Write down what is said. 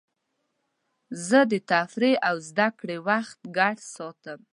زه د تفریح او زدهکړې وخت ګډ ساتم.